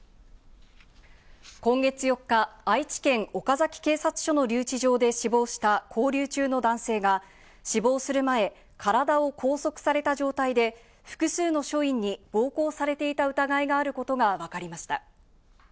今月４日、愛知県岡崎警察署の留置場で死亡した勾留中の男性が死亡する前、体を拘束された状態で複数の署員に暴行されていた疑いがあることがわかりました。